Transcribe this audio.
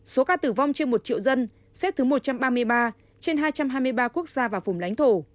số ca tử vong trên một triệu dân xếp thứ một trăm ba mươi ba trên hai trăm hai mươi ba quốc gia và vùng lãnh thổ